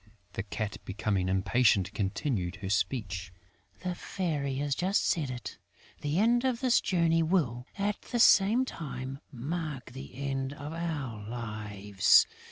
The Cat, becoming impatient, continued her speech: "The Fairy has just said it, the end of this journey will, at the same time, mark the end of our lives.